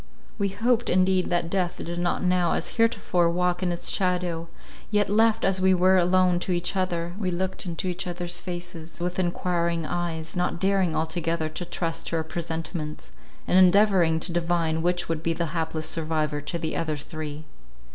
We hoped indeed that death did not now as heretofore walk in its shadow; yet, left as we were alone to each other, we looked in each other's faces with enquiring eyes, not daring altogether to trust to our presentiments, and endeavouring to divine which would be the hapless survivor to the other three.